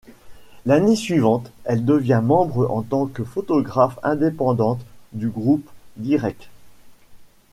L'année suivante, elle devient membre en tant que photographe indépendante du groupe Direkt.